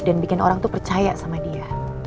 dan bikin orang tuh percaya sama dia